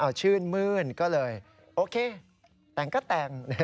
ชื่นมื้นก็เลยโอเคแต่งก็แต่ง